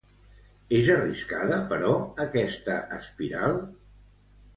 És arriscada, però, aquesta espiral?